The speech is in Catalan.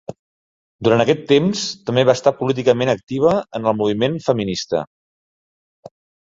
Durant aquest temps, també va estar políticament activa en el moviment feminista.